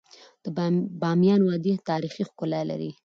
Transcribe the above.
د بامیان وادی تاریخي ښکلا لري.